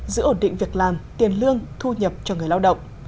giữ ổn định việc làm tiền lương thu nhập cho người lao động